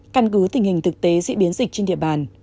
căn cứ tình hình thực tế diễn biến dịch trên địa bàn